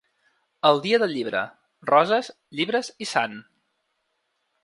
El dia del llibre: roses, llibres i sant.